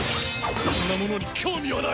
そんなものに興味はない！